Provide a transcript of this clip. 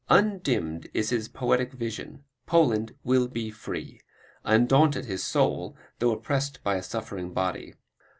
Undimmed is his poetic vision Poland will be free! undaunted his soul, though oppressed by a suffering body.